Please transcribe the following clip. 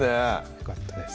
よかったです